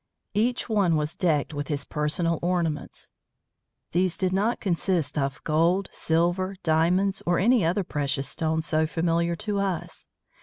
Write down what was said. Each one was decked with his personal ornaments. These did not consist of gold, silver, diamonds, or any other precious stones so familiar to us.